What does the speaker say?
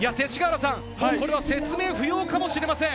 これは説明不要かもしれません。